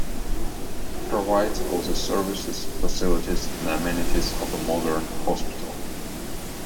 It provides all the services, facilities and amenities of a modern hospital.